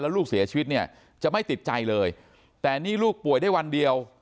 ลูกเสียชีวิตเนี่ยจะไม่ติดใจเลยแต่นี่ลูกป่วยได้วันเดียว